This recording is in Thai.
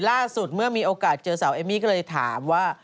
ล่าสุดเมื่อมีโอกาสเจอสาวเอมมี่ก็เลยถามว่า